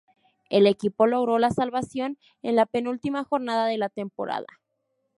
El equipo logró la salvación en la penúltima jornada de la temporada.